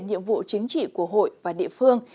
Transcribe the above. nhiệm vụ chính trị của hội và địa phương